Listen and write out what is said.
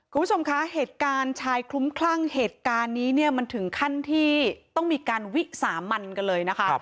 คุณผู้ชมคะเหตุการณ์ชายคลุ้มคลั่งเหตุการณ์นี้เนี่ยมันถึงขั้นที่ต้องมีการวิสามันกันเลยนะคะ